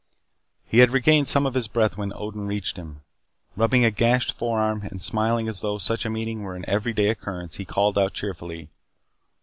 He had regained some of his breath when Odin reached him. Rubbing a gashed forearm and smiling as though such a meeting were an every day occurrence he called out cheerfully.